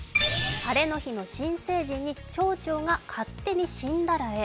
晴れの日に新成人に町長が勝手に死んだらええ。